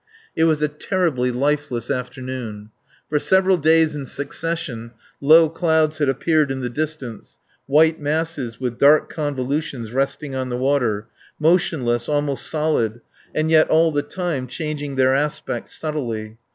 It was a terribly lifeless afternoon. For several days in succession low clouds had appeared in the distance, white masses with dark convolutions resting on the water, motionless, almost solid, and yet all the time changing their aspects subtly.